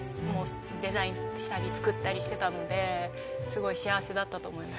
デザインしたり作ったりしてたのですごい幸せだったと思います。